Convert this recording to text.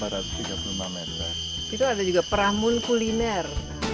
itu ada juga perah mulkuliner